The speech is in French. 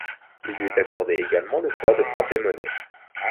Il lui est accordé également le droit de frapper monnaie.